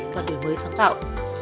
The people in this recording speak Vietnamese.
và đổi mới sáng tạo